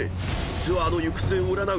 ［ツアーの行く末を占う